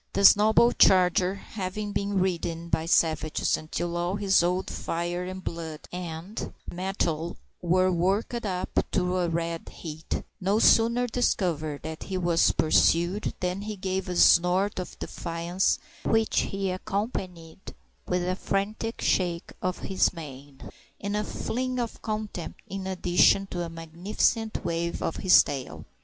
This noble charger, having been ridden by savages until all his old fire and blood and mettle were worked up to a red heat, no sooner discovered that he was pursued than he gave a snort of defiance, which he accompanied with a frantic shake of his mane and a fling of contempt in addition to a magnificent wave of his tail.